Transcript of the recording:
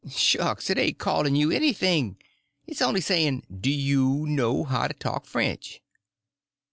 "Shucks, it ain't calling you anything. It's only saying, do you know how to talk French?"